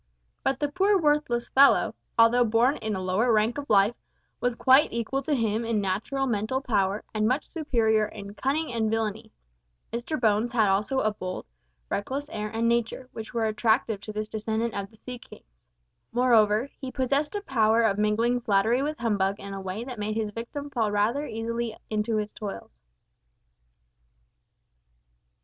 But the poor worthless fellow, although born in a lower rank of life, was quite equal to him in natural mental power, and much superior in cunning and villainy. Mr Bones had also a bold, reckless air and nature, which were attractive to this descendant of the sea kings. Moreover, he possessed a power of mingling flattery with humbug in a way that made his victim fall rather easily into his toils.